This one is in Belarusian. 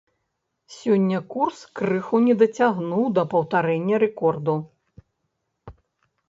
Сёння курс крыху не дацягнуў да паўтарэння рэкорду.